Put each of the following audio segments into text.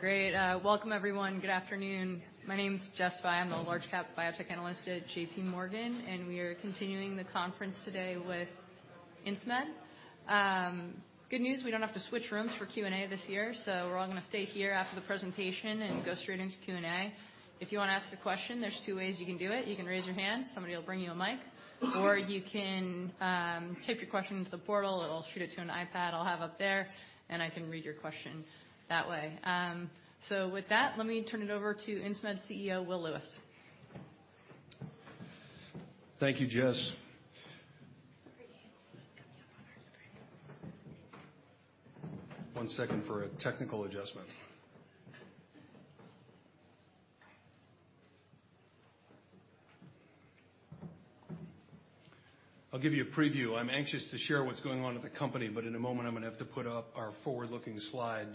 Great. Welcome everyone. Good afternoon. My name is Jessica Fye. I'm a large cap biotech analyst at JPMorgan, we are continuing the conference today with Insmed. Good news, we don't have to switch rooms for Q&A this year, so we're all gonna stay here after the presentation, go straight into Q&A. If you wanna ask a question, there's two ways you can do it. You can raise your hand, somebody will bring you a mic, you can type your question into the portal, it'll shoot it to an iPad I'll have up there, and I can read your question that way. With that, let me turn it over to Insmed CEO, William Lewis. Thank you, Jess. Sorry. It's coming up on our screen. One second for a technical adjustment. I'll give you a preview. I'm anxious to share what's going on with the company, but in a moment, I'm gonna have to put up our forward-looking slide,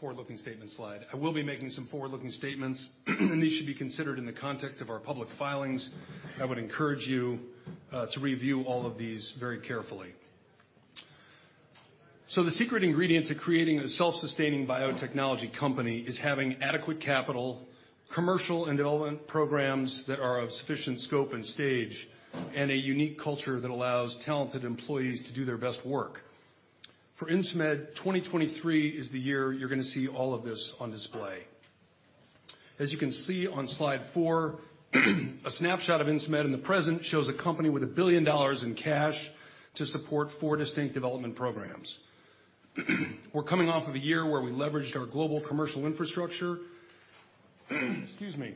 forward-looking statement slide. I will be making some forward-looking statements, and these should be considered in the context of our public filings. I would encourage you to review all of these very carefully. The secret ingredient to creating a self-sustaining biotechnology company is having adequate capital, commercial and development programs that are of sufficient scope and stage, and a unique culture that allows talented employees to do their best work. For Insmed, 2023 is the year you're gonna see all of this on display. As you can see on Slide four, a snapshot of Insmed in the present shows a company with a $1 billion in cash to support 4 distinct development programs. We're coming off of a year where we leveraged our global commercial infrastructure, excuse me,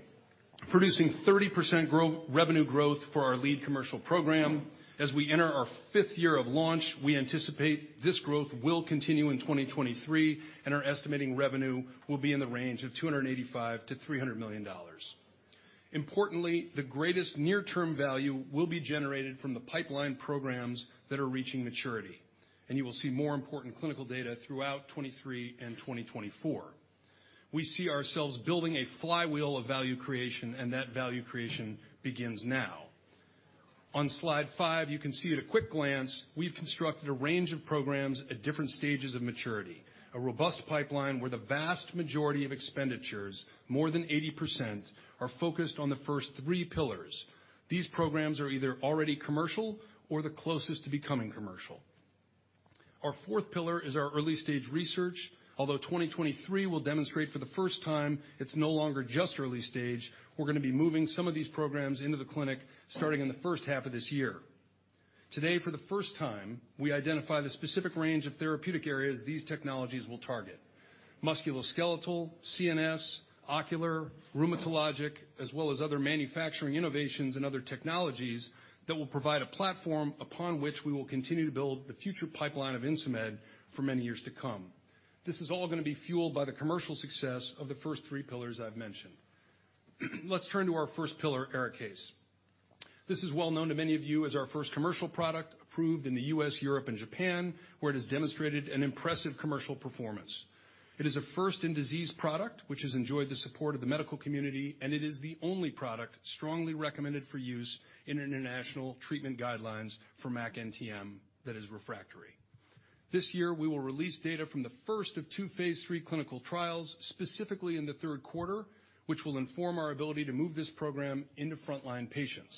producing 30% revenue growth for our lead commercial program. As we enter our 5th year of launch, we anticipate this growth will continue in 2023, and are estimating revenue will be in the range of $285 million-$300 million. Importantly, the greatest near-term value will be generated from the pipeline programs that are reaching maturity, and you will see more important clinical data throughout 2023 and 2024. We see ourselves building a flywheel of value creation, and that value creation begins now. On Slide five, you can see at a quick glance, we've constructed a range of programs at different stages of maturity. A robust pipeline where the vast majority of expenditures, more than 80%, are focused on the first 3 pillars. These programs are either already commercial or the closest to becoming commercial. Our fourth pillar is our early-stage research. 2023 will demonstrate for the first time, it's no longer just early stage, we're gonna be moving some of these programs into the clinic starting in the first half of this year. Today, for the first time, we identify the specific range of therapeutic areas these technologies will target. Musculoskeletal, CNS, ocular, rheumatologic, as well as other manufacturing innovations and other technologies that will provide a platform upon which we will continue to build the future pipeline of Insmed for many years to come. This is all gonna be fueled by the commercial success of the first three pillars I've mentioned. Let's turn to our first pillar, ARIKAYCE. This is well known to many of you as our first commercial product approved in the U.S., Europe, and Japan, where it has demonstrated an impressive commercial performance. It is a first in disease product, which has enjoyed the support of the medical community, and it is the only product strongly recommended for use in international treatment guidelines for MAC-NTM that is refractory. This year, we will release data from the first of 2 phase 3 clinical trials, specifically in the Q3, which will inform our ability to move this program into frontline patients.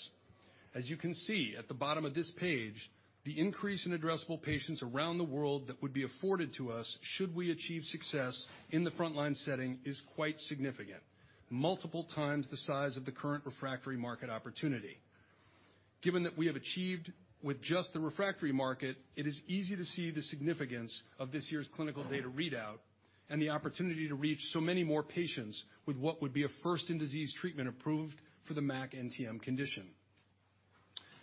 As you can see at the bottom of this page, the increase in addressable patients around the world that would be afforded to us should we achieve success in the frontline setting is quite significant. Multiple times the size of the current refractory market opportunity. Given that we have achieved with just the refractory market, it is easy to see the significance of this year's clinical data readout and the opportunity to reach so many more patients with what would be a first in disease treatment approved for the MAC-NTM condition.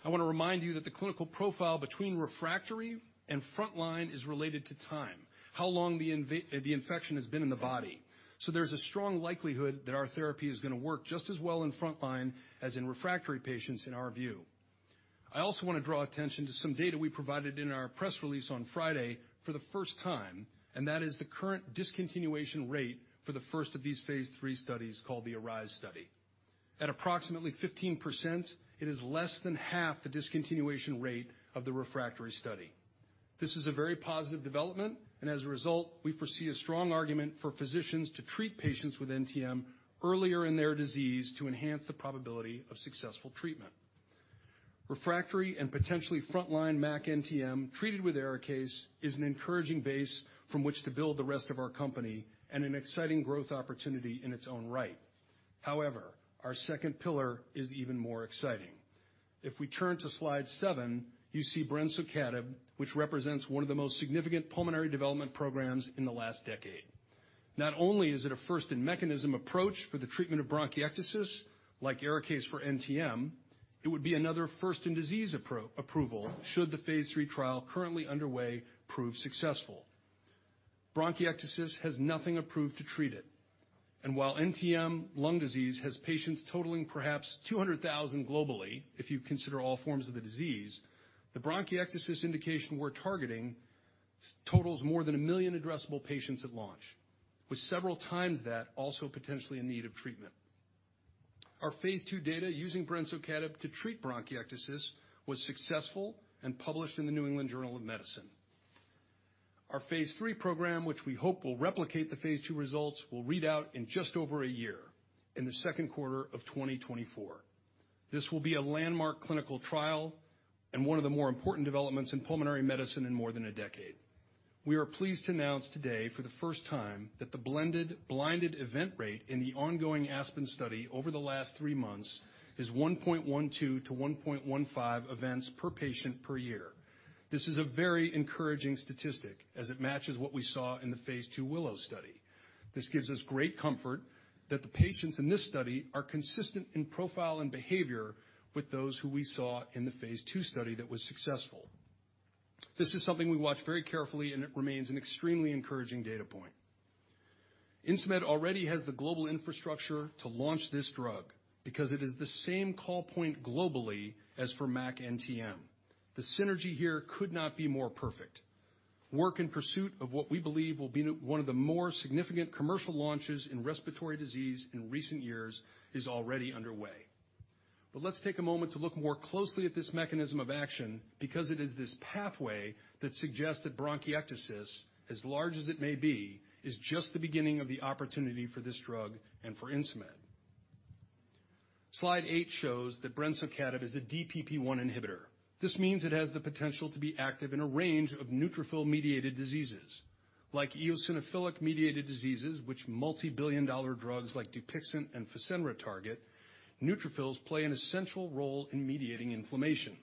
I wanna remind you that the clinical profile between refractory and frontline is related to time. How long the infection has been in the body. There's a strong likelihood that our therapy is gonna work just as well in frontline as in refractory patients in our view. I also wanna draw attention to some data we provided in our press release on Friday for the first time, and that is the current discontinuation rate for the first of these phase 3 studies called the ARISE study. At approximately 15%, it is less than half the discontinuation rate of the refractory study. This is a very positive development, and as a result, we foresee a strong argument for physicians to treat patients with NTM earlier in their disease to enhance the probability of successful treatment. Refractory and potentially frontline MAC-NTM treated with ARIKAYCE is an encouraging base from which to build the rest of our company and an exciting growth opportunity in its own right. However, our second pillar is even more exciting. If we turn to Slide seven, you see brensocatib, which represents one of the most significant pulmonary development programs in the last decade. Not only is it a first in mechanism approach for the treatment of bronchiectasis, like ARIKAYCE for NTM, it would be another first in disease approval should the phase 3 trial currently underway prove successful. Bronchiectasis has nothing approved to treat it. While NTM lung disease has patients totaling perhaps 200,000 globally, if you consider all forms of the disease, the bronchiectasis indication we're targeting totals more than 1 million addressable patients at launch, with several times that also potentially in need of treatment. Our phase 2 data using brensocatib to treat bronchiectasis was successful and published in the New England Journal of Medicine. Our phase 3 program, which we hope will replicate the phase 2 results, will read out in just over a year, in the Q2 of 2024. This will be a landmark clinical trial and one of the more important developments in pulmonary medicine in more than a decade. We are pleased to announce today for the first time that the blended blinded event rate in the ongoing ASPEN study over the last 3 months is 1.12-1.15 events per patient per year. This is a very encouraging statistic as it matches what we saw in the Phase 2 WILLOW study. This gives us great comfort that the patients in this study are consistent in profile and behavior with those who we saw in the Phase 2 study that was successful. This is something we watch very carefully, and it remains an extremely encouraging data point. Insmed already has the global infrastructure to launch this drug because it is the same call point globally as for MAC-NTM. The synergy here could not be more perfect. Work in pursuit of what we believe will be one of the more significant commercial launches in respiratory disease in recent years is already underway. Let's take a moment to look more closely at this mechanism of action, because it is this pathway that suggests that bronchiectasis, as large as it may be, is just the beginning of the opportunity for this drug and for Insmed. Slide eight shows that brensocatib is a DPP-I inhibitor. This means it has the potential to be active in a range of neutrophil-mediated diseases like eosinophilic-mediated diseases, which multibillion-dollar drugs like Dupixent and Fasenra target. Neutrophils play an essential role in mediating inflammation.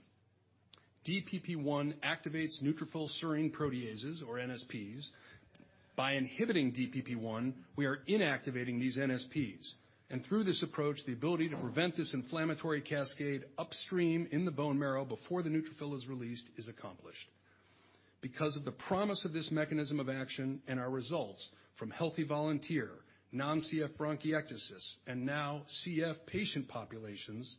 DPP-I activates neutrophil serine proteases or NSPs. By inhibiting DPP-I, we are inactivating these NSPs. Through this approach, the ability to prevent this inflammatory cascade upstream in the bone marrow before the neutrophil is released is accomplished. Because of the promise of this mechanism of action and our results from healthy volunteer, non-CF bronchiectasis, and now CF patient populations,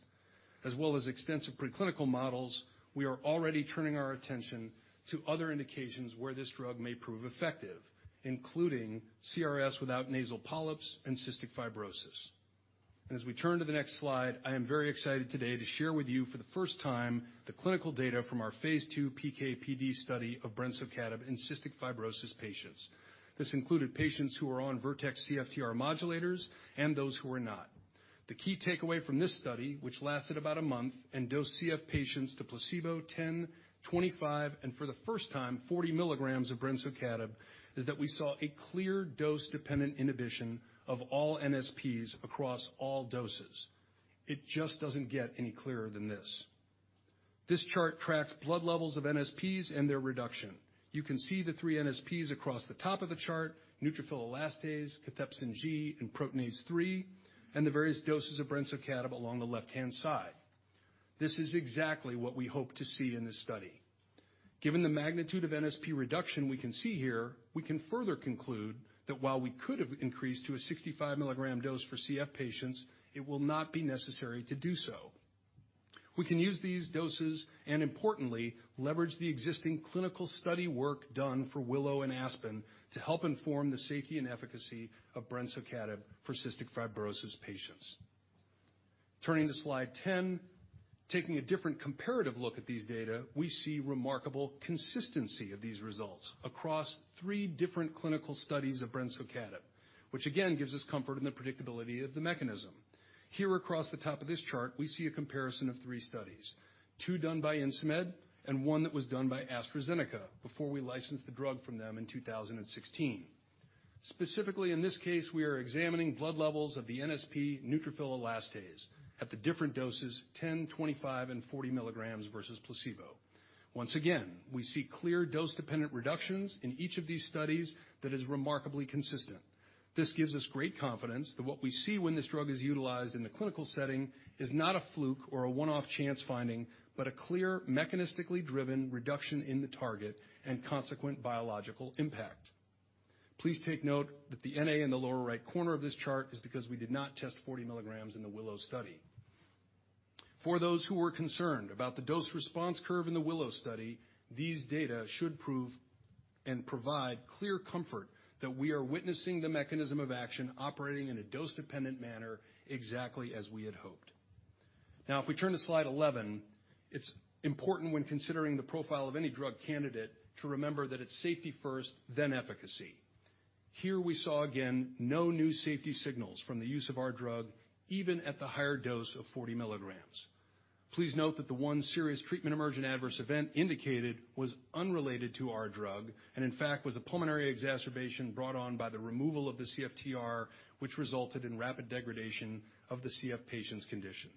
as well as extensive preclinical models, we are already turning our attention to other indications where this drug may prove effective, including CRS without nasal polyps and cystic fibrosis. As we turn to the next slide, I am very excited today to share with you for the first time the clinical data from our phase 2 PK/PD study of brensocatib in cystic fibrosis patients. This included patients who are on Vertex CFTR modulators and those who are not. The key takeaway from this study, which lasted about 1 month and dosed CF patients to placebo 10, 25, and for the first time 40 milligrams of brensocatib, is that we saw a clear dose-dependent inhibition of all NSPs across all doses. It just doesn't get any clearer than this. This chart tracks blood levels of NSPs and their reduction. You can see the 3 NSPs across the top of the chart, neutrophil elastase, cathepsin G, and proteinase 3, and the various doses of brensocatib along the left-hand side. This is exactly what we hope to see in this study. Given the magnitude of NSP reduction we can see here, we can further conclude that while we could have increased to a 65 milligram dose for CF patients, it will not be necessary to do so. We can use these doses and importantly, leverage the existing clinical study work done for WILLOW and ASPEN to help inform the safety and efficacy of brensocatib for cystic fibrosis patients. Turning to Slide 10. Taking a different comparative look at these data, we see remarkable consistency of these results across three different clinical studies of brensocatib, which again gives us comfort in the predictability of the mechanism. Here across the top of this chart, we see a comparison of three studies, two done by Insmed and one that was done by AstraZeneca before we licensed the drug from them in 2016. Specifically, in this case, we are examining blood levels of the NSP neutrophil elastase at the different doses 10, 25, and 40 milligrams versus placebo. Once again, we see clear dose-dependent reductions in each of these studies that is remarkably consistent. This gives us great confidence that what we see when this drug is utilized in the clinical setting is not a fluke or a one-off chance finding, but a clear mechanistically driven reduction in the target and consequent biological impact. Please take note that the NA in the lower right corner of this chart is because we did not test 40 milligrams in the WILLOW study. For those who were concerned about the dose-response curve in the WILLOW study, these data should prove and provide clear comfort that we are witnessing the mechanism of action operating in a dose-dependent manner, exactly as we had hoped. Now, if we turn to Slide 11, it's important when considering the profile of any drug candidate to remember that it's safety first, then efficacy. Here we saw again, no new safety signals from the use of our drug, even at the higher dose of 40 milligrams. Please note that the 1 serious treatment emergent adverse event indicated was unrelated to our drug and in fact was a pulmonary exacerbation brought on by the removal of the CFTR, which resulted in rapid degradation of the CF patient's condition.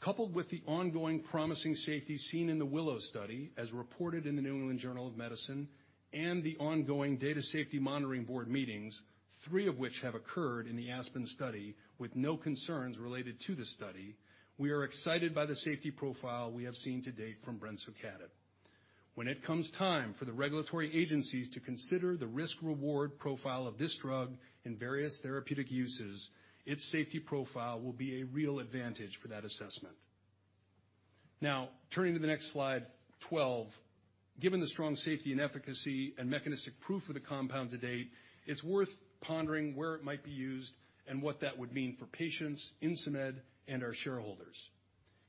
Coupled with the ongoing promising safety seen in the WILLOW study, as reported in the New England Journal of Medicine and the ongoing data safety monitoring board meetings, 3 of which have occurred in the ASPEN study with no concerns related to the study, we are excited by the safety profile we have seen to date from brensocatib. When it comes time for the regulatory agencies to consider the risk-reward profile of this drug in various therapeutic uses, its safety profile will be a real advantage for that assessment. Turning to the next slide, 12. Given the strong safety and efficacy and mechanistic proof of the compound to date, it's worth pondering where it might be used and what that would mean for patients, Insmed, and our shareholders.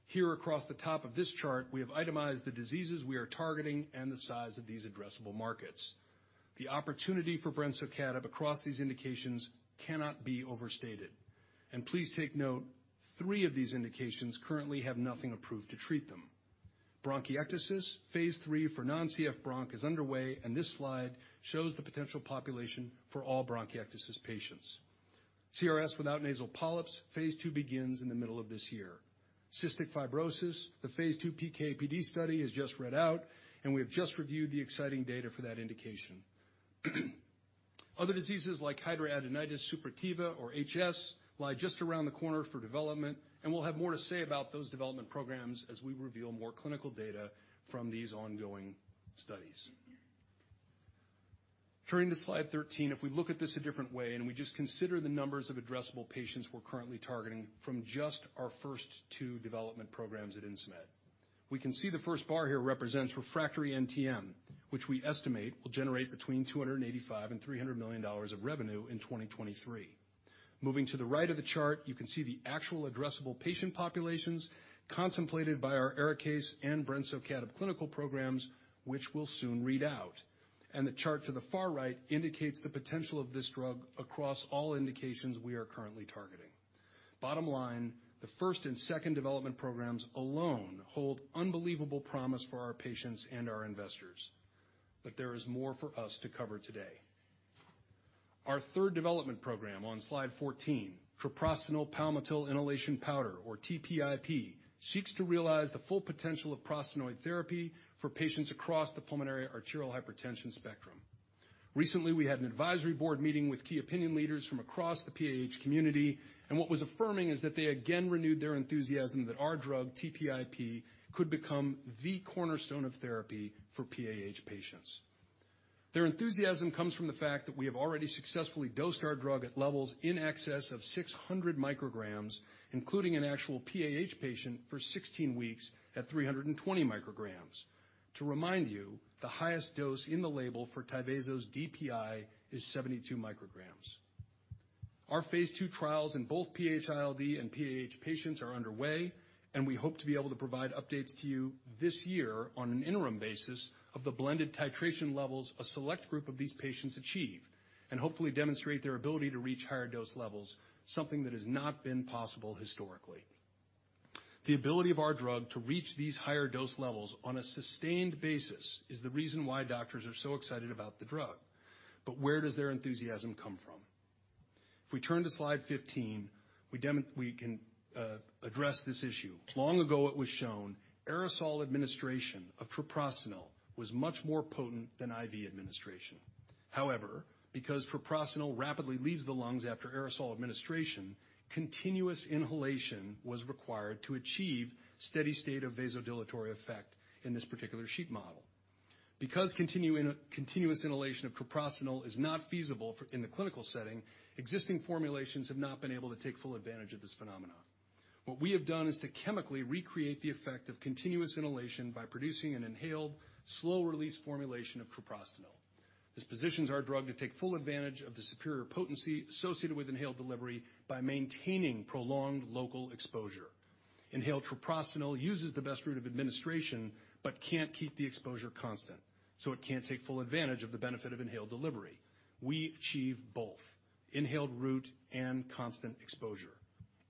Here across the top of this chart, we have itemized the diseases we are targeting and the size of these addressable markets. The opportunity for brensocatib across these indications cannot be overstated. Please take note, 3 of these indications currently have nothing approved to treat them. Bronchiectasis, phase 3 for non-CF bronch is underway, and this slide shows the potential population for all bronchiectasis patients. CRS without nasal polyps, phase 2 begins in the middle of this year. cystic fibrosis, the phase 2 PK/PD study is just read out, and we have just reviewed the exciting data for that indication. Other diseases like hidradenitis suppurativa or HS lie just around the corner for development, and we'll have more to say about those development programs as we reveal more clinical data from these ongoing studies. Turning to Slide 13. If we look at this a different way, and we just consider the numbers of addressable patients we're currently targeting from just our first two development programs at Insmed. We can see the first bar here represents refractory NTM, which we estimate will generate between $285 million-$300 million of revenue in 2023. Moving to the right of the chart, you can see the actual addressable patient populations contemplated by our ARIKAYCE and brensocatib clinical programs, which will soon read out. The chart to the far right indicates the potential of this drug across all indications we are currently targeting. Bottom line, the first and second development programs alone hold unbelievable promise for our patients and our investors. There is more for us to cover today. Our third development program on Slide 14, treprostinil palmitil inhalation powder, or TPIP, seeks to realize the full potential of prostanoid therapy for patients across the pulmonary arterial hypertension spectrum. Recently, we had an advisory board meeting with key opinion leaders from across the PAH community, and what was affirming is that they again renewed their enthusiasm that our drug, TPIP, could become the cornerstone of therapy for PAH patients. Their enthusiasm comes from the fact that we have already successfully dosed our drug at levels in excess of 600 micrograms, including an actual PAH patient for 16 weeks at 320 micrograms. To remind you, the highest dose in the label for Tyvaso's DPI is 72 micrograms. Our Phase 2 trials in both PH-ILD and PAH patients are underway. We hope to be able to provide updates to you this year on an interim basis of the blended titration levels a select group of these patients achieve and hopefully demonstrate their ability to reach higher dose levels, something that has not been possible historically. The ability of our drug to reach these higher dose levels on a sustained basis is the reason why doctors are so excited about the drug. Where does their enthusiasm come from? We turn to Slide 15, we can address this issue. Long ago it was shown aerosol administration of treprostinil was much more potent than IV administration. Because treprostinil rapidly leaves the lungs after aerosol administration, continuous inhalation was required to achieve steady state of vasodilatory effect in this particular sheep model. Continuous inhalation of treprostinil is not feasible in the clinical setting, existing formulations have not been able to take full advantage of this phenomenon. What we have done is to chemically recreate the effect of continuous inhalation by producing an inhaled slow-release formulation of treprostinil. This positions our drug to take full advantage of the superior potency associated with inhaled delivery by maintaining prolonged local exposure. Inhaled treprostinil uses the best route of administration but can't keep the exposure constant, so it can't take full advantage of the benefit of inhaled delivery. We achieve both inhaled route and constant exposure,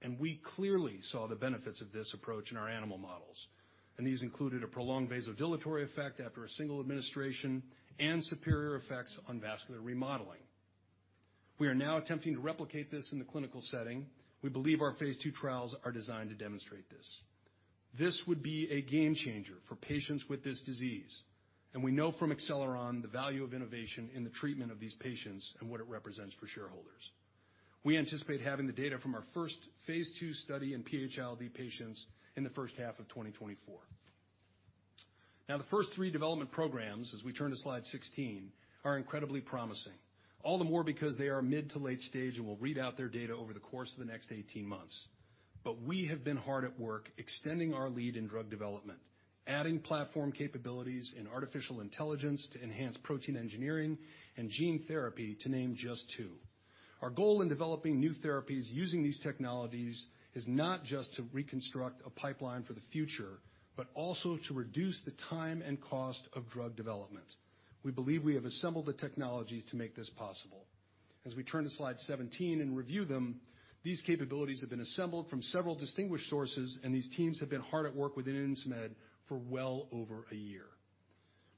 and we clearly saw the benefits of this approach in our animal models. These included a prolonged vasodilatory effect after a single administration and superior effects on vascular remodeling. We are now attempting to replicate this in the clinical setting. We believe our phase 2 trials are designed to demonstrate this. This would be a game changer for patients with this disease, and we know from Acceleron the value of innovation in the treatment of these patients and what it represents for shareholders. We anticipate having the data from our first phase 2 study in PH-ILD patients in the first half of 2024. Now the first three development programs, as we turn to Slide 16, are incredibly promising, all the more because they are mid to late stage and will read out their data over the course of the next 18 months. We have been hard at work extending our lead in drug development, adding platform capabilities in artificial intelligence to enhance protein engineering and gene therapy to name just two. Our goal in developing new therapies using these technologies is not just to reconstruct a pipeline for the future, but also to reduce the time and cost of drug development. We believe we have assembled the technologies to make this possible. As we turn to Slide 17 and review them, these capabilities have been assembled from several distinguished sources, and these teams have been hard at work within Insmed for well over a year.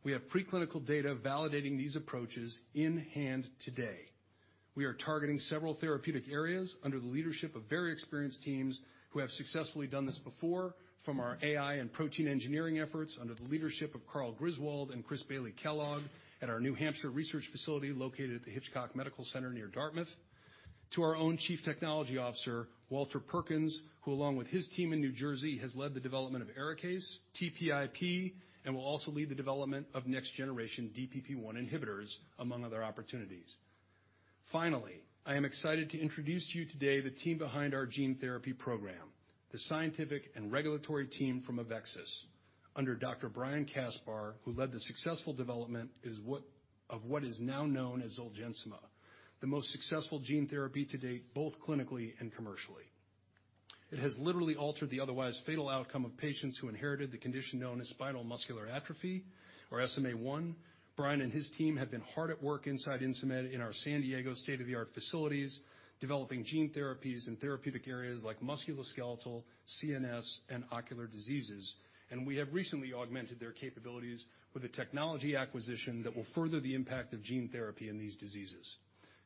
We have pre-clinical data validating these approaches in hand today. We are targeting several therapeutic areas under the leadership of very experienced teams who have successfully done this before from our AI and protein engineering efforts under the leadership of Karl Griswold and Chris Bailey-Kellogg at our New Hampshire research facility located at the Hitchcock Medical Center near Dartmouth. To our own Chief Technology Officer, Walter Perkins, who along with his team in New Jersey, has led the development of ARIKAYCE, TPIP, and will also lead the development of next generation DPP-I inhibitors, among other opportunities. Finally, I am excited to introduce to you today the team behind our gene therapy program, the scientific and regulatory team from AveXis under Dr. Brian Kaspar, who led the successful development of what is now known as Zolgensma, the most successful gene therapy to date, both clinically and commercially. It has literally altered the otherwise fatal outcome of patients who inherited the condition known as spinal muscular atrophy or SMA type 1. Brian and his team have been hard at work inside Insmed in our San Diego state-of-the-art facilities, developing gene therapies in therapeutic areas like musculoskeletal, CNS, and ocular diseases. We have recently augmented their capabilities with a technology acquisition that will further the impact of gene therapy in these diseases.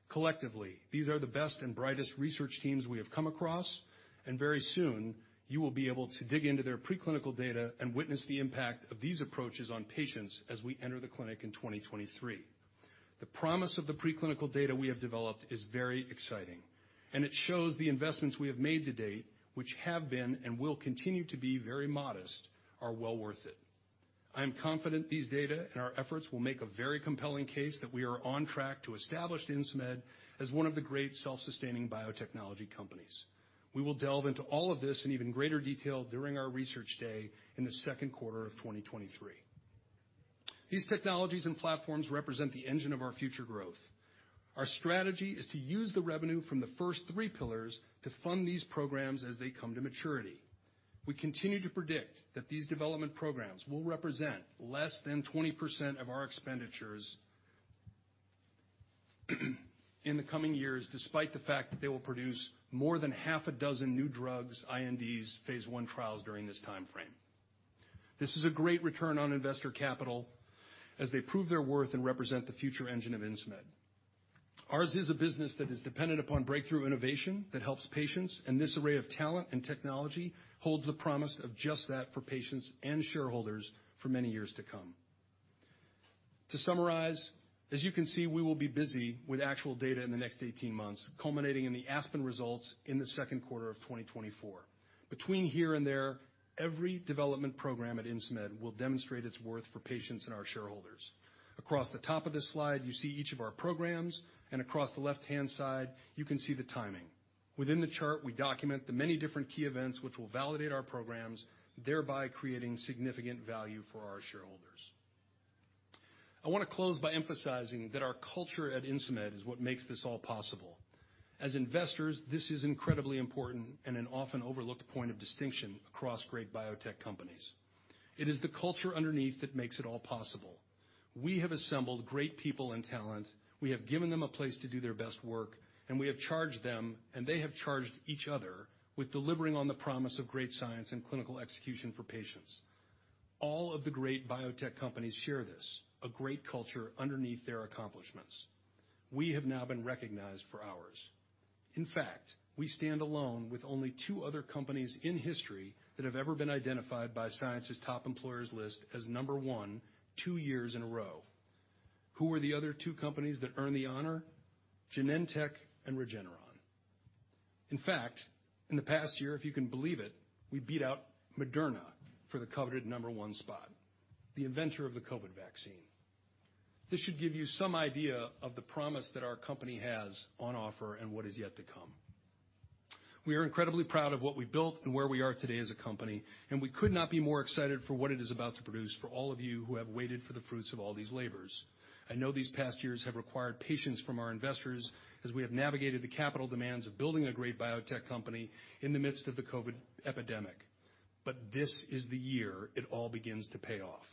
Collectively, these are the best and brightest research teams we have come across, and very soon, you will be able to dig into their preclinical data and witness the impact of these approaches on patients as we enter the clinic in 2023. The promise of the preclinical data we have developed is very exciting, and it shows the investments we have made to date, which have been and will continue to be very modest, are well worth it. I am confident these data and our efforts will make a very compelling case that we are on track to establish Insmed as one of the great self-sustaining biotechnology companies. We will delve into all of this in even greater detail during our research day in the Q2 of 2023. These technologies and platforms represent the engine of our future growth. Our strategy is to use the revenue from the first three pillars to fund these programs as they come to maturity. We continue to predict that these development programs will represent less than 20% of our expenditures in the coming years, despite the fact that they will produce more than half a dozen new drugs, INDs, phase 1 trials during this time frame. This is a great return on investor capital as they prove their worth and represent the future engine of Insmed. Ours is a business that is dependent upon breakthrough innovation that helps patients. This array of talent and technology holds the promise of just that for patients and shareholders for many years to come. To summarize, as you can see, we will be busy with actual data in the next 18 months, culminating in the ASPEN results in the Q2 of 2024. Between here and there, every development program at Insmed will demonstrate its worth for patients and our shareholders. Across the top of this slide, you see each of our programs, and across the left-hand side, you can see the timing. Within the chart, we document the many different key events which will validate our programs, thereby creating significant value for our shareholders. I wanna close by emphasizing that our culture at Insmed is what makes this all possible. As investors, this is incredibly important and an often overlooked point of distinction across great biotech companies. It is the culture underneath that makes it all possible. We have assembled great people and talent. We have given them a place to do their best work, and we have charged them, and they have charged each other with delivering on the promise of great science and clinical execution for patients. All of the great biotech companies share this, a great culture underneath their accomplishments. We have now been recognized for ours. We stand alone with only 2 other companies in history that have ever been identified by Science's top employers list as number 1 2 years in a row. Who were the other 2 companies that earned the honor? Genentech and Regeneron. In the past year, if you can believe it, we beat out Moderna for the coveted number 1 spot, the inventor of the COVID vaccine. This should give you some idea of the promise that our company has on offer and what is yet to come. We are incredibly proud of what we built and where we are today as a company. We could not be more excited for what it is about to produce for all of you who have waited for the fruits of all these labors. I know these past years have required patience from our investors as we have navigated the capital demands of building a great biotech company in the midst of the COVID epidemic. This is the year it all begins to pay off.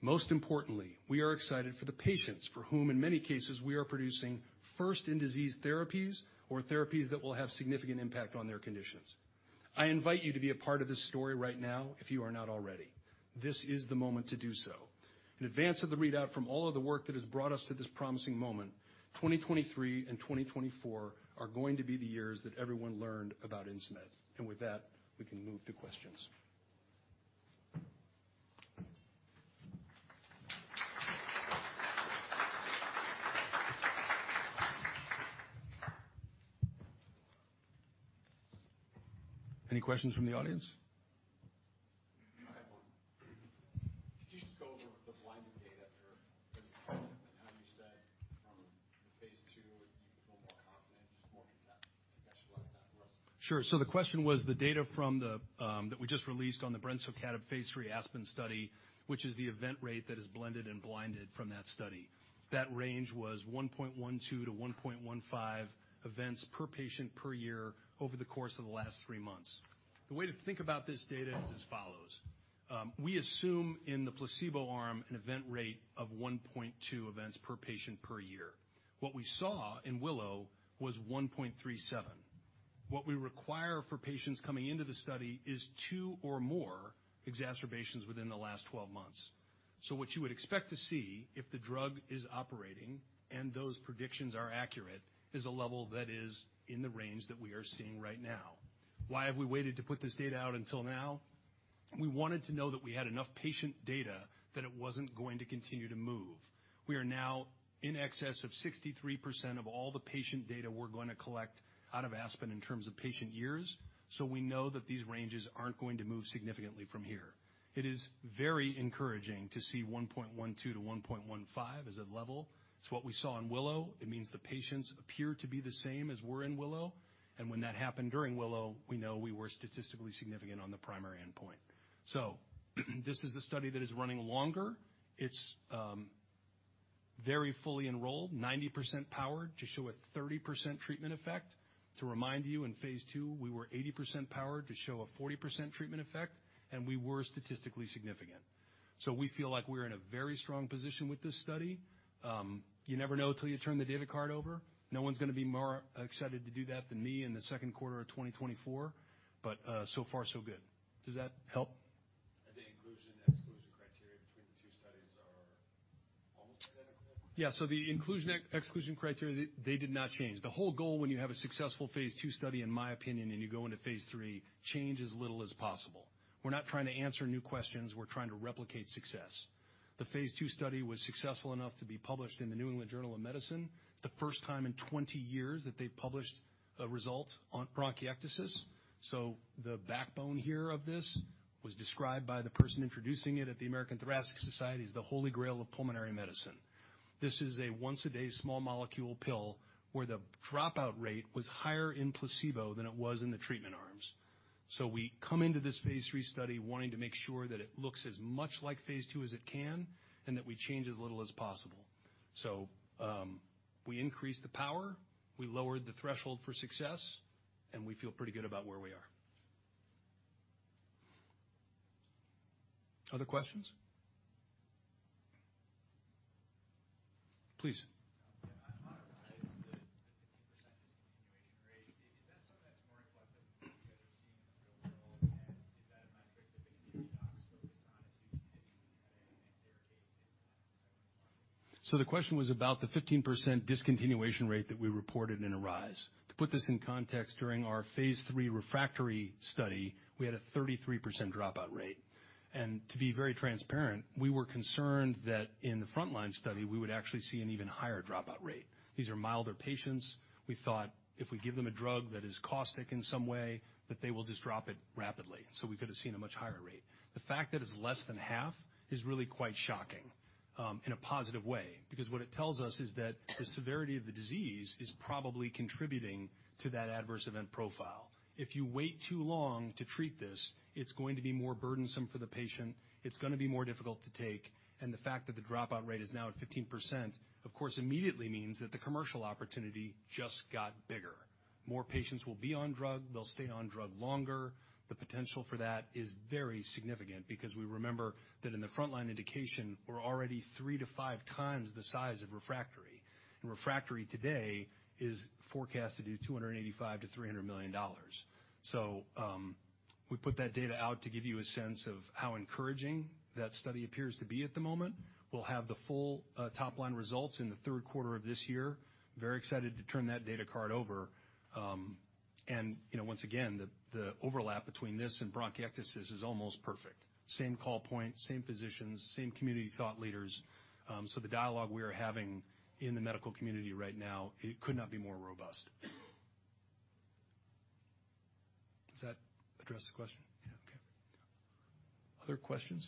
Most importantly, we are excited for the patients for whom, in many cases, we are producing first in disease therapies or therapies that will have significant impact on their conditions. I invite you to be a part of this story right now if you are not already. This is the moment to do so. In advance of the readout from all of the work that has brought us to this promising moment, 2023 and 2024 are going to be the years that everyone learned about Insmed. With that, we can move to questions. Any questions from the audience? I have one. Could you just go over the blinding data for and how you said on the phase 2, you feel more confident? Just more potential of that for us. Sure. The question was the data from the that we just released on the brensocatib phase 3 ASPEN study, which is the event rate that is blended and blinded from that study. That range was 1.12-1.15 events per patient per year over the course of the last 3 months. The way to think about this data is as follows. We assume in the placebo arm an event rate of 1.2 events per patient per year. What we saw in WILLOW was 1.37. What we require for patients coming into the study is two or more exacerbations within the last 12 months. What you would expect to see if the drug is operating and those predictions are accurate, is a level that is in the range that we are seeing right now. Why have we waited to put this data out until now? We wanted to know that we had enough patient data that it wasn't going to continue to move. We are now in excess of 63% of all the patient data we're gonna collect out of ASPEN in terms of patient years. We know that these ranges aren't going to move significantly from here. It is very encouraging to see 1.12-1.15 as a level. It's what we saw in WILLOW. It means the patients appear to be the same as were in WILLOW. When that happened during WILLOW, we know we were statistically significant on the primary endpoint. This is a study that is running longer. It's very fully enrolled, 90% powered to show a 30% treatment effect. To remind you, in phase 2, we were 80% powered to show a 40% treatment effect, and we were statistically significant. We feel like we're in a very strong position with this study. You never know till you turn the data card over. No one's gonna be more excited to do that than me in the Q2 of 2024, but, so far so good. Does that help? The inclusion, exclusion criteria between the two studies are almost identical? The inclusion, exclusion criteria, they did not change. The whole goal when you have a successful phase 2 study, in my opinion, and you go into phase 3, change as little as possible. We're not trying to answer new questions, we're trying to replicate success. The phase 2 study was successful enough to be published in the New England Journal of Medicine. It's the first time in 20 years that they've published a result on bronchiectasis. The backbone here of this was described by the person introducing it at the American Thoracic Society as the holy grail of pulmonary medicine. This is a once-a-day small molecule pill, where the dropout rate was higher in placebo than it was in the treatment arms. We come into this phase 3 study wanting to make sure that it looks as much like phase 2 as it can, and that we change as little as possible. We increased the power, we lowered the threshold for success, and we feel pretty good about where we are. Other questions? Please. Yeah. On ARISE, the 15% discontinuation rate, is that something that's more reflective of what you guys are seeing in the real world? Is that a metric that maybe docs focus on as they continue to make their case in that second line? The question was about the 15% discontinuation rate that we reported in ARISE. To put this in context, during our phase 3 refractory study, we had a 33% dropout rate. To be very transparent, we were concerned that in the frontline study, we would actually see an even higher dropout rate. These are milder patients. We thought if we give them a drug that is caustic in some way, that they will just drop it rapidly, so we could've seen a much higher rate. The fact that it's less than half is really quite shocking, in a positive way, because what it tells us is that the severity of the disease is probably contributing to that adverse event profile. If you wait too long to treat this, it's going to be more burdensome for the patient, it's gonna be more difficult to take, and the fact that the dropout rate is now at 15%, of course, immediately means that the commercial opportunity just got bigger. More patients will be on drug, they'll stay on drug longer. The potential for that is very significant because we remember that in the frontline indication, we're already 3 to 5 times the size of refractory. Refractory today is forecast to do $285 million-$300 million. We put that data out to give you a sense of how encouraging that study appears to be at the moment. We'll have the full top-line results in the Q3of this year. Very excited to turn that data card over. You know, once again, the overlap between this and bronchiectasis is almost perfect. Same call point, same physicians, same community thought leaders. The dialogue we are having in the medical community right now, it could not be more robust. Does that address the question? Yeah. Okay. Other questions?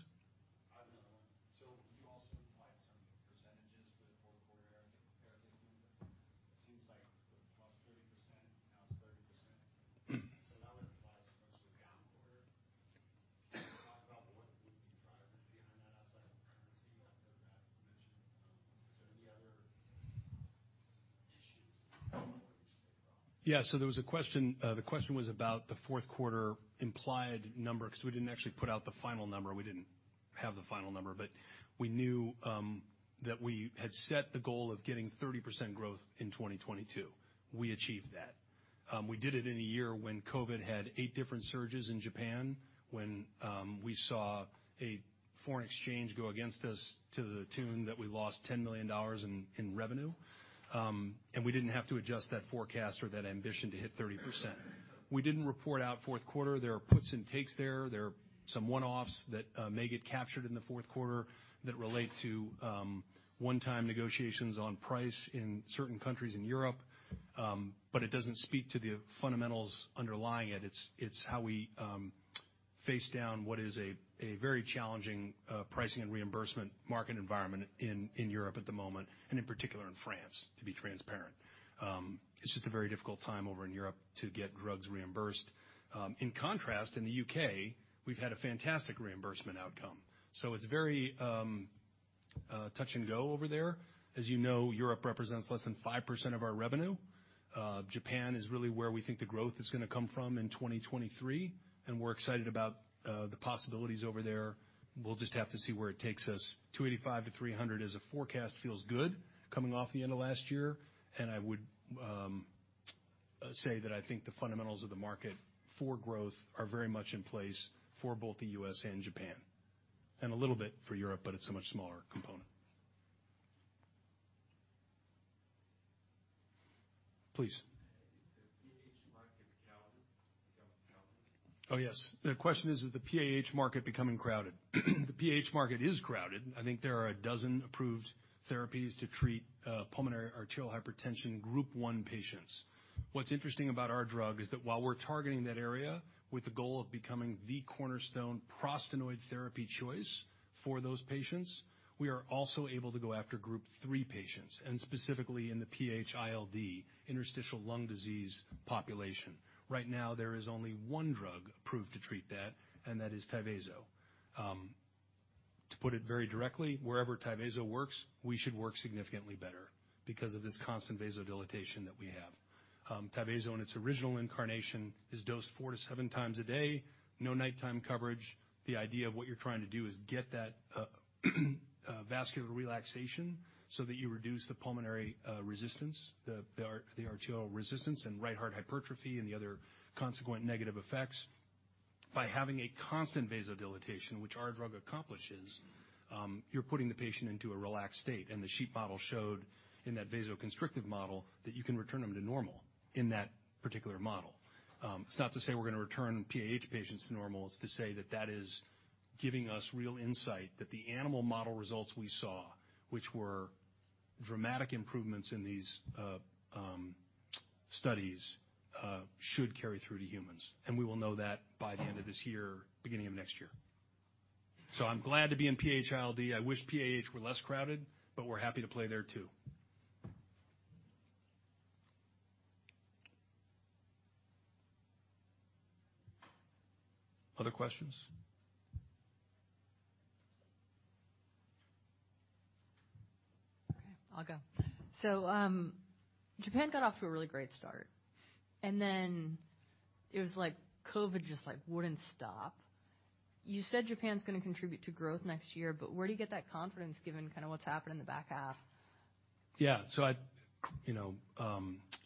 I have another one. You also implied some percentages for the Q4 as it compared to this number. It seems like it was +30%, now it's 30%. That would imply it's supposed to be a down quarter. Can you talk about what would be driving behind that outside of currency after that mention? Is there any other issues that might be slowing growth? There was a question. The question was about the Q4 implied number, 'cause we didn't actually put out the final number. We didn't have the final number. We knew that we had set the goal of getting 30% growth in 2022. We achieved that. We did it in a year when COVID had eight different surges in Japan, when we saw a foreign exchange go against us to the tune that we lost $10 million in revenue. We didn't have to adjust that forecast or that ambition to hit 30%. We didn't report out Q4. There are puts and takes there. There are some one-offs that may get captured in the Q4 that relate to one-time negotiations on price in certain countries in Europe. It doesn't speak to the fundamentals underlying it. It's how we face down what is a very challenging pricing and reimbursement market environment in Europe at the moment, and in particular, in France, to be transparent. It's just a very difficult time over in Europe to get drugs reimbursed. In contrast, in the U.K., we've had a fantastic reimbursement outcome. It's very touch and go over there. As you know, Europe represents less than 5% of our revenue. Japan is really where we think the growth is gonna come from in 2023, and we're excited about the possibilities over there. We'll just have to see where it takes us. $285-$300 as a forecast feels good coming off the end of last year. I would say that I think the fundamentals of the market for growth are very much in place for both the U.S. and Japan, and a little bit for Europe, but it's a much smaller component. Please. Is the PAH market crowded? Oh, yes. The question is the PAH market becoming crowded? The PAH market is crowded. I think there are 12 approved therapies to treat pulmonary arterial hypertension Group 1 patients. What's interesting about our drug is that while we're targeting that area with the goal of becoming the cornerstone prostanoid therapy choice for those patients, we are also able to go after Group 3 patients, and specifically in the PAH-ILD, interstitial lung disease population. Right now, there is only 1 drug approved to treat that, and that is Tyvaso. To put it very directly, wherever Tyvaso works, we should work significantly better because of this constant vasodilatation that we have. Tyvaso, in its original incarnation, is dosed 4-7 times a day, no nighttime coverage. The idea of what you're trying to do is get that vascular relaxation so that you reduce the pulmonary resistance, the arterial resistance and right heart hypertrophy and the other consequent negative effects. By having a constant vasodilatation, which our drug accomplishes, you're putting the patient into a relaxed state. The sheep model showed in that vasoconstrictive model that you can return them to normal in that particular model. It's not to say we're gonna return PAH patients to normal. It's to say that that is giving us real insight that the animal model results we saw, which were dramatic improvements in these studies, should carry through to humans. We will know that by the end of this year, beginning of next year. I'm glad to be in PAH-ILD. I wish PAH were less crowded, but we're happy to play there too. Other questions? Okay, I'll go. Japan got off to a really great start. It was like COVID just, like, wouldn't stop. You said Japan's gonna contribute to growth next year, where do you get that confidence given kinda what's happened in the back half? Yeah. I, you know,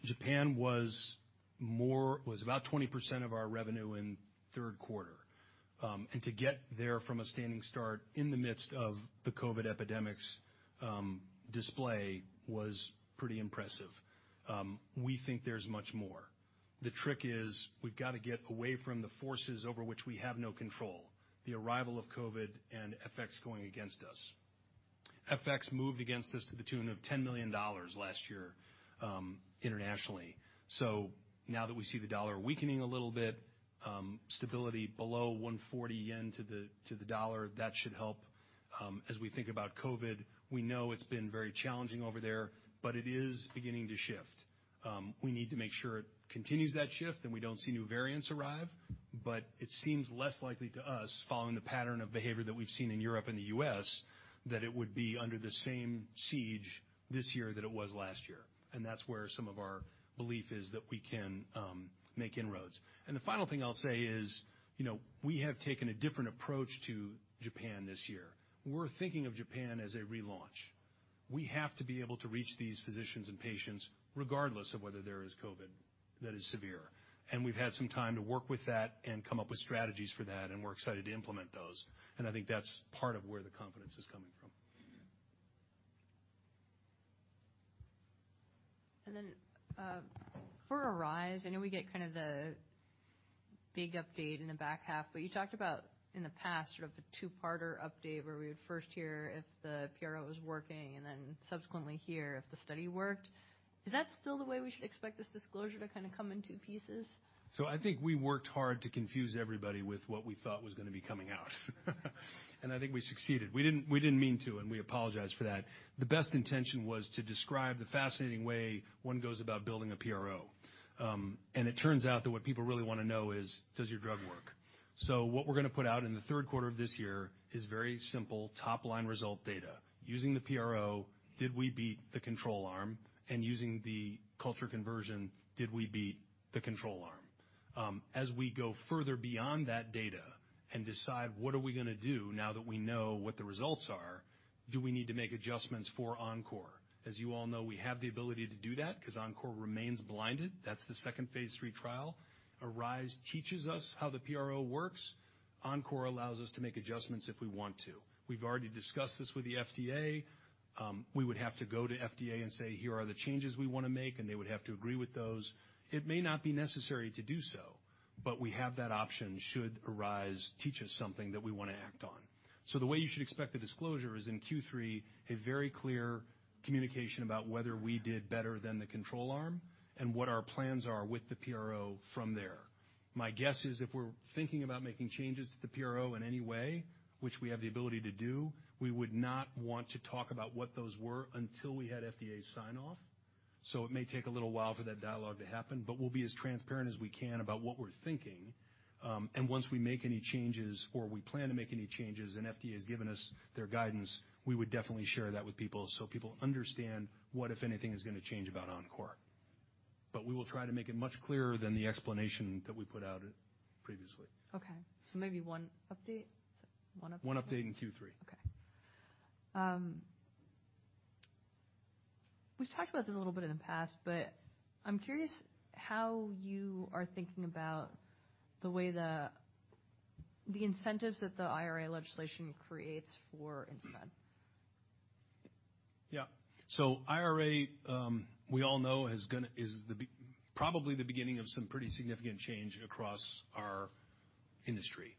Japan was about 20% of our revenue in Q3. To get there from a standing start in the midst of the COVID epidemics, display was pretty impressive. We think there's much more. The trick is we've gotta get away from the forces over which we have no control, the arrival of COVID and FX going against us. FX moved against us to the tune of $10 million last year, internationally. Now that we see the dollar weakening a little bit, stability below 140 yen to the dollar, that should help. We think about COVID, we know it's been very challenging over there, but it is beginning to shift. We need to make sure it continues that shift, and we don't see new variants arrive. It seems less likely to us, following the pattern of behavior that we've seen in Europe and the U.S., that it would be under the same siege this year that it was last year. That's where some of our belief is that we can make inroads. The final thing I'll say is, you know, we have taken a different approach to Japan this year. We're thinking of Japan as a relaunch. We have to be able to reach these physicians and patients regardless of whether there is COVID that is severe. We've had some time to work with that and come up with strategies for that, and we're excited to implement those. I think that's part of where the confidence is coming from. For ARISE, I know we get kind of the big update in the back half, but you talked about in the past sort of a two-parter update where we would first hear if the PRO was working and then subsequently hear if the study worked. Is that still the way we should expect this disclosure to kinda come in two pieces? I think we worked hard to confuse everybody with what we thought was gonna be coming out. I think we succeeded. We didn't mean to, and we apologize for that. The best intention was to describe the fascinating way one goes about building a PRO. It turns out that what people really wanna know is, does your drug work? What we're gonna put out in the Q3 of this year is very simple top-line result data. Using the PRO, did we beat the control arm? Using the culture conversion, did we beat the control arm? As we go further beyond that data and decide what are we gonna do now that we know what the results are, do we need to make adjustments for ENCORE? As you all know, we have the ability to do that 'cause ENCORE remains blinded. That's the second phase 3 trial. ARISE teaches us how the PRO works. ENCORE allows us to make adjustments if we want to. We've already discussed this with the FDA. We would have to go to FDA and say, "Here are the changes we wanna make," and they would have to agree with those. It may not be necessary to do so, but we have that option should ARISE teach us something that we wanna act on. The way you should expect the disclosure is in Q3, a very clear communication about whether we did better than the control arm and what our plans are with the PRO from there. My guess is if we're thinking about making changes to the PRO in any way, which we have the ability to do, we would not want to talk about what those were until we had FDA sign-off. It may take a little while for that dialogue to happen, but we'll be as transparent as we can about what we're thinking. Once we make any changes or we plan to make any changes and FDA has given us their guidance, we would definitely share that with people so people understand what, if anything, is gonna change about ENCORE. We will try to make it much clearer than the explanation that we put out previously. Okay. Maybe one update? One update in Q3. Okay. We've talked about this a little bit in the past, but I'm curious how you are thinking about the way the incentives that the IRA legislation creates for Insmed. IRA, we all know is probably the beginning of some pretty significant change across our industry.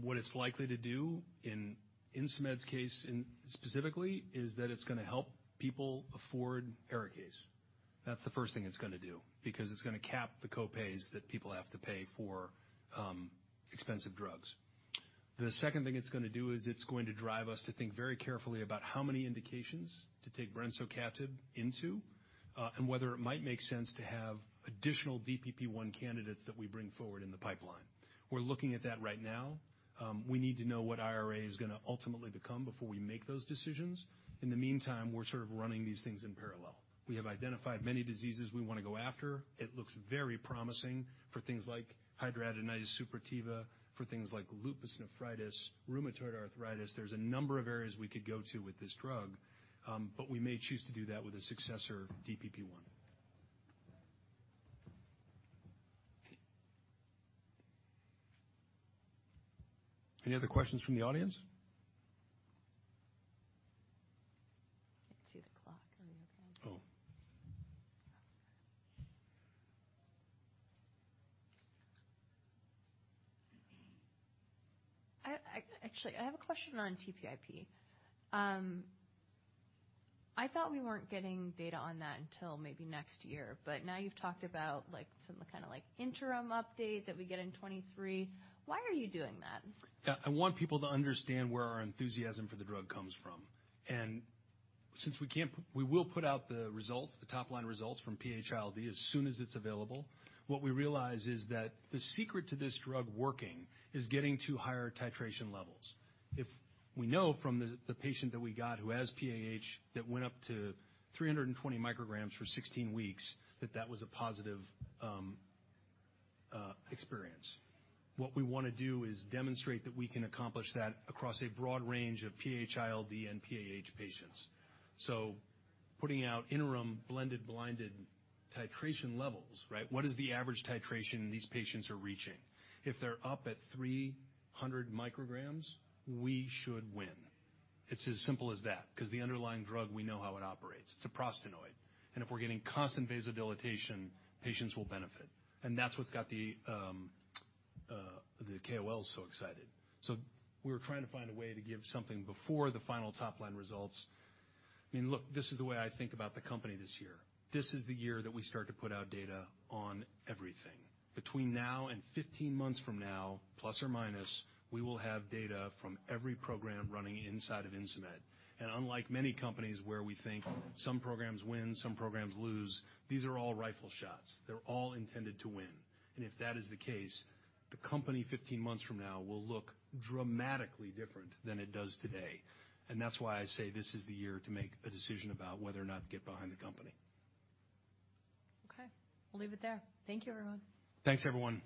What it's likely to do in Insmed's case, and specifically, is that it's gonna help people afford ARIKAYCE. That's the first thing it's gonna do, because it's gonna cap the copays that people have to pay for expensive drugs. The second thing it's gonna do is it's going to drive us to think very carefully about how many indications to take brensocatib into, and whether it might make sense to have additional DPP1 candidates that we bring forward in the pipeline. We're looking at that right now. We need to know what IRA is gonna ultimately become before we make those decisions. In the meantime, we're sort of running these things in parallel. We have identified many diseases we wanna go after. It looks very promising for things like hidradenitis suppurativa, for things like lupus nephritis, rheumatoid arthritis. There's a number of areas we could go to with this drug, but we may choose to do that with a successor DPP1. Any other questions from the audience? I can't see the clock. Are we okay on time? Oh. Actually, I have a question on TPIP. I thought we weren't getting data on that until maybe next year, but now you've talked about like some kind of like interim update that we get in 2023. Why are you doing that? I want people to understand where our enthusiasm for the drug comes from. Since we can't, we will put out the results, the top line results from PAH as soon as it's available. What we realize is that the secret to this drug working is getting to higher titration levels. If we know from the patient that we got who has PAH that went up to 320 micrograms for 16 weeks that that was a positive experience. What we wanna do is demonstrate that we can accomplish that across a broad range of PAH and PAH patients. Putting out interim blended, blinded titration levels, right? What is the average titration these patients are reaching? If they're up at 300 micrograms, we should win. It's as simple as that, 'cause the underlying drug, we know how it operates. It's a prostanoid. If we're getting constant vasodilation, patients will benefit. That's what's got the KOLs so excited. We're trying to find a way to give something before the final top-line results. I mean, look, this is the way I think about the company this year. This is the year that we start to put out data on everything. Between now and 15 months from now, plus or minus, we will have data from every program running inside of Insmed. Unlike many companies where we think some programs win, some programs lose, these are all rifle shots. They're all intended to win. If that is the case, the company 15 months from now will look dramatically different than it does today. That's why I say this is the year to make a decision about whether or not to get behind the company. Okay, we'll leave it there. Thank you, everyone. Thanks, everyone.